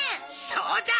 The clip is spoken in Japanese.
そうだ！